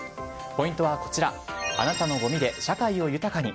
ポイントはこちらあなたのごみで社会を豊かに。